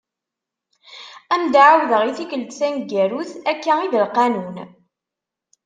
Ad am-d-ɛawdeɣ i tikelt taneggarut, akka i d lqanun.